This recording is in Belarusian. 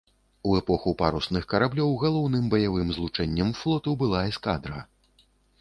У эпоху парусных караблёў галоўным баявым злучэннем флоту была эскадра.